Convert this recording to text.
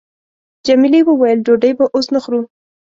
جميلې وويل:، ډوډۍ به اوس نه خورو.